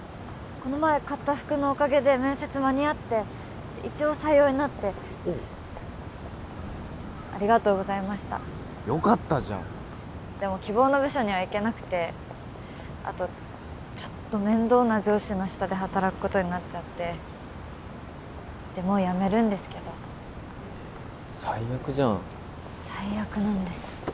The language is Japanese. この前買った服のおかげで面接間に合って一応採用になっておうありがとうございましたよかったじゃんでも希望の部署には行けなくてあとちょっと面倒な上司の下で働くことになっちゃってでもう辞めるんですけど最悪じゃん最悪なんです